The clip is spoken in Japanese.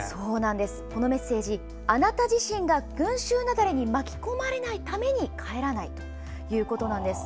このメッセージあなた自身が群衆雪崩に巻き込まれないために帰らないということなんです。